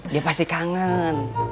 dia pasti kangen